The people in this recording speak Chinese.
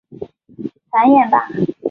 繁衍吧！